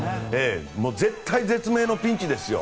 絶体絶命のピンチですよ。